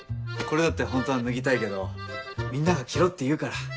これだって本当は脱ぎたいけどみんなが着ろって言うから。